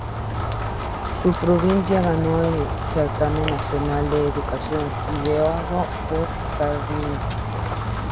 Su provincia ganó el certamen nacional de educación ideado por Sarmiento.